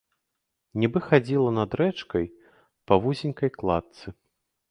Нібы хадзіла над рэчкай па вузенькай кладцы.